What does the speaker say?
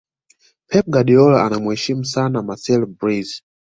pep guardiola anamuheshimu sana marcelo bielsa